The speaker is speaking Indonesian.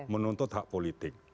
menuntut hak politik